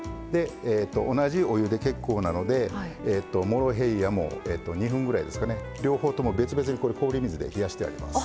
同じお湯で結構なのでモロヘイヤも２分ぐらい両方とも別々に氷水で冷やしてあります。